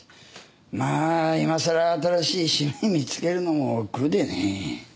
まあいまさら新しい趣味を見つけるのも億劫でね。